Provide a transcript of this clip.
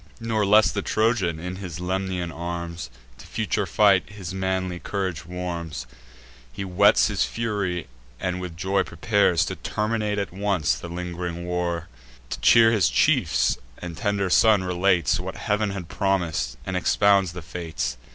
Nor less the Trojan, in his Lemnian arms, To future fight his manly courage warms: He whets his fury, and with joy prepares To terminate at once the ling'ring wars; To cheer his chiefs and tender son, relates What Heav'n had promis'd, and expounds the fates.